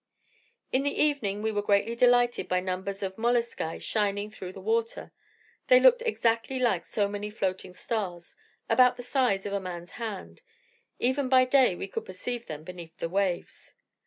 In the evening we were greatly delighted by numbers of moluscae shining through the water; they looked exactly like so many floating stars, about the size of a man's hand; even by day we could perceive them beneath the waves.